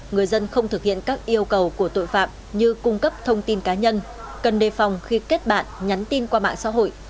người dân không thực hiện các yêu cầu của tội phạm như cung cấp thông tin cá nhân cần đề phòng khi kết bạn nhắn tin qua mạng xã hội